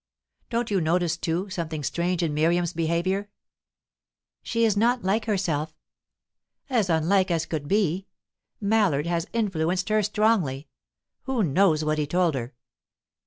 Don't you notice, too, something strange in Miriam's behaviour?" "She is not like herself." "As unlike as could be. Mallard has influenced her strongly. Who knows what he told her?"